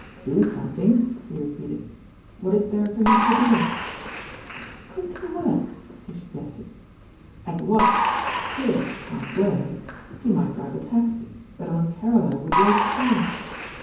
"Do something 1" he repeated. "What is there for him to do?" "Couldn't he work?" she suggested. "At what? Peers can't work. He might drive a taxi ; but Aunt Caroline would raise Cain."